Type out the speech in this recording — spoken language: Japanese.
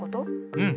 うん。